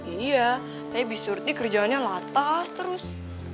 iya tapi besurti kerjaannya latah terus